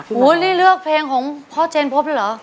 พูดเลือกเพลงของพ่อเจ็นพบหรือ